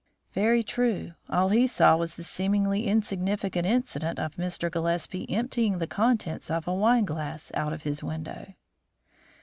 "Very true. All he saw was the seemingly insignificant incident of Mr. Gillespie emptying the contents of a wine glass out of his window."